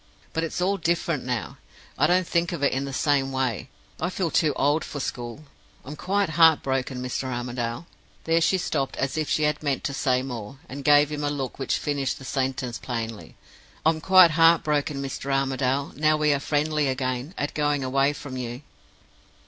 But it's all different now; I don't think of it in the same way; I feel too old for school. I'm quite heart broken, Mr. Armadale.' There she stopped as if she had meant to say more, and gave him a look which finished the sentence plainly: 'I'm quite heart broken, Mr. Armadale, now we are friendly again, at going away from you!